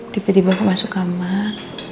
tiba tiba masuk kamar